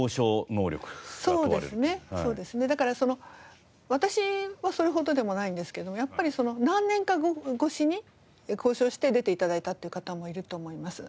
だから私はそれほどでもないんですけどやっぱり何年か越しに交渉して出て頂いたっていう方もいると思います。